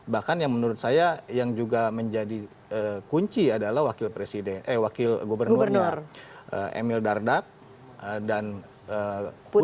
bahkan yang menurut saya yang juga menjadi kunci adalah wakil presiden eh wakil gubernurnya emil dardak dan putri